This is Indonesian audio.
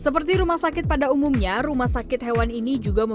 seperti rumah sakit pada umumnya rumah sakit hewan ini juga memperbaiki